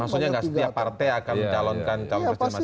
maksudnya nggak setiap partai akan mencalonkan calon presiden masing masing